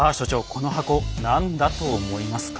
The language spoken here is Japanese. この箱何だと思いますか？